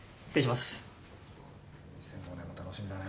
２００５年も楽しみだね